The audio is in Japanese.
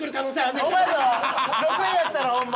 ６位やったらホンマ。